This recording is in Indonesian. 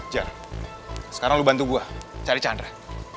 jar sekarang lu bantu gue cari chandra